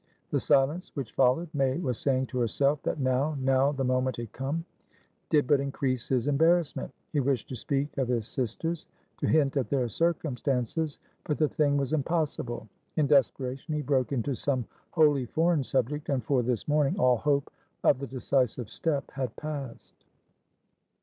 The silence which followedMay was saying to herself that now, now the moment had comedid but increase his embarrassment. He wished to speak of his sisters, to hint at their circumstances, but the thing was impossible. In desperation, he broke into some wholly foreign subject, and for this morning, all hope of the decisive step had passed.